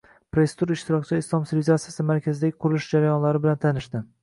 Press-tur ishtirokchilari Islom sivilizatsiya markazidagi qurilish jarayonlari bilan tanishdi